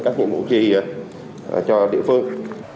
các nhiệm vụ chi cho địa phương